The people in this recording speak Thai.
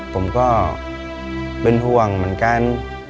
ผมก็เป็นห่วงเหมือนกัน